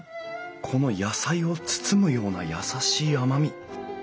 この野菜を包むような優しい甘み。